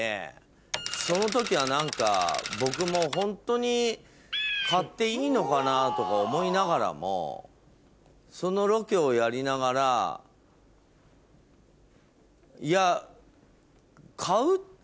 その時は何か僕もホントに買っていいのかなとか思いながらもそのロケをやりながらいや。